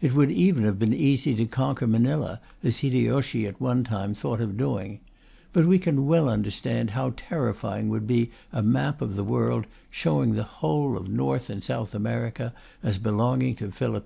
It would even have been easy to conquer Manila, as Hideyoshi at one time thought of doing. But we can well understand how terrifying would be a map of the world showing the whole of North and South America as belonging to Philip II.